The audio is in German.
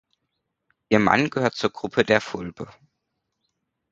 Ihr Mann gehört zur Gruppe der Fulbe.